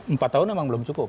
empat tahun memang belum cukup